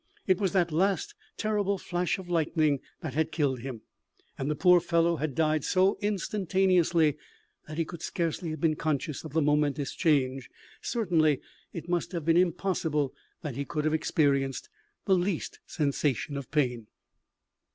It was that last terrible flash of lightning that had killed him; and the poor fellow had died so instantaneously that he could scarcely have been conscious of the momentous change; certainly it must have been impossible that he could have experienced the least sensation of pain.